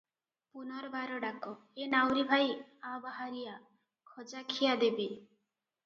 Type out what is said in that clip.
ପୁନର୍ବାର ଡାକ "ଏ ନାଉରି ଭାଇ, ଆ ବାହାରି ଆ, ଖଜାଖିଆ ଦେବି ।"